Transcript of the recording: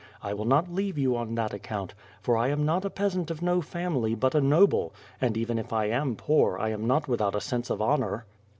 I will not leave you on that account, for I am not a peasant of no family, hut a noble; and even if 1 am poor, I am not without a sense of honor."